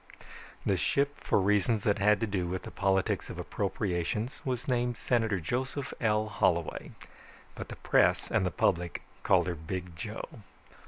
_ The ship, for reasons that had to do with the politics of appropriations, was named Senator Joseph L. Holloway, but the press and the public called her Big Joe.